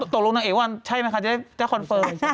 ตกลงนางเอกวันใช่ไหมคะจะคอนเฟิร์ม